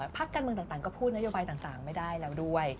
พักการเมืองต่างก็พูดนโยบายต่างไม่ได้แล้วด้วย